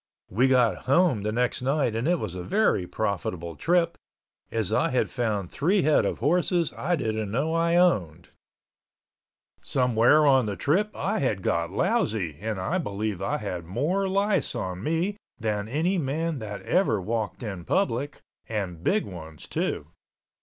We got home the next night and it was a very profitable trip, as I had found three head of horses I didn't know I owned. Somewhere on the trip I had got lousy and I believe I had more lice on me than any man that ever walked in public, and big ones too.